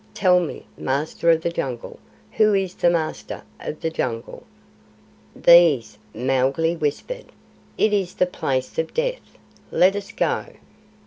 Tell me, Master of the Jungle, who is the Master of the Jungle?" "These," Mowgli whispered. "It is the Place of Death. Let us go."